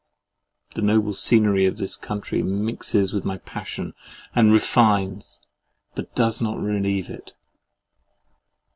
—The noble scenery in this country mixes with my passion, and refines, but does not relieve it.